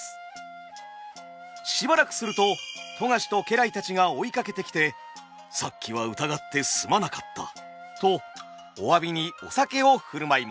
しばらくすると富樫と家来たちが追いかけてきて「さっきは疑ってすまなかった」とお詫びにお酒を振る舞います。